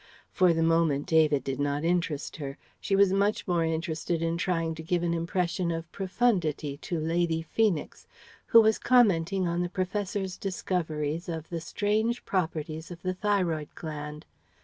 For the moment David did not interest her. She was much more interested in trying to give an impression of profundity to Lady Feenix who was commenting on the professor's discoveries of the strange properties of the thyroid gland.